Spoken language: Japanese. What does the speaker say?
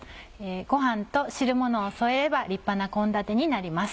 ご飯と汁ものを添えれば立派な献立になります。